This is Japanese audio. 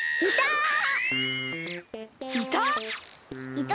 いた！？